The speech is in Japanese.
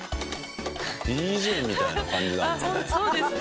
ＤＪみたいな感じなんだね。